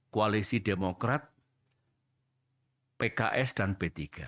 koalisi demokrat pks dan p tiga